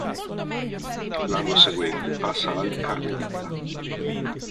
L'anno seguente passa al Carmelita.